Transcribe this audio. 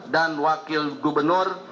dan wakil gubernur